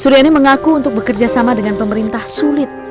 suryani mengaku untuk bekerja sama dengan pemerintah sulit